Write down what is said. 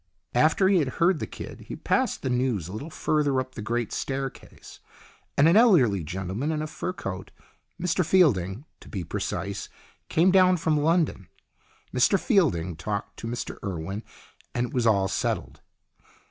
After he had heard the kid he passed the news a little further up the great staircase, and an elderly gentleman in a fur coat Mr Fielding, to be precise came down from London. Mr Fielding talked to Mr Urwen, and it was all settled.